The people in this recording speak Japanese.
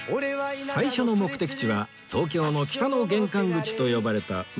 最初の目的地は東京の北の玄関口と呼ばれた上野